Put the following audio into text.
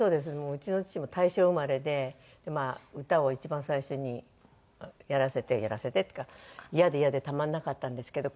うちの父も大正生まれでまあ歌を一番最初にやらせてやらせてっていうかイヤでイヤでたまらなかったんですけど。